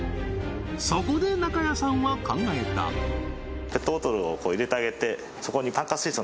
そこで中谷さんは考えたえ